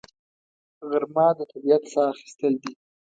غرمه د طبیعت ساه اخیستل دي